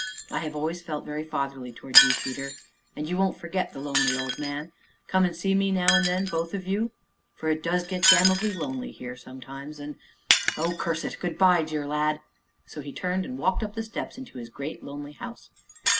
"I always felt very fatherly towards you, Peter and you won't forget the lonely old man come and see me now and then both of you, for it does get damnably lonely here sometimes, and oh, curse it! Good by! dear lad." So he turned, and walked up the steps into his great, lonely house.